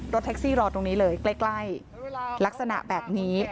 แท็กซี่รอตรงนี้เลยใกล้ลักษณะแบบนี้